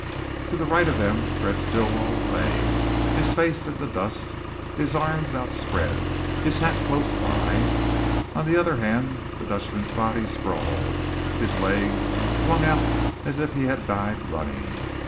To the right of them Fred Stilwell lay, his face in the dust, his arms outspread, his hat close by; on the other hand the Dutchman's body sprawled, his legs, flung out as if he had died running.